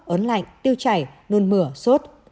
ớn lạnh tiêu chảy nôn mửa sốt